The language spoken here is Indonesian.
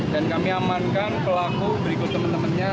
dan kami amankan pelaku berikut temen temennya